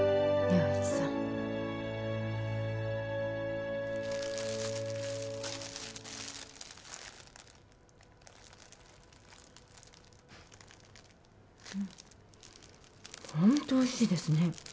うんホントおいしいですね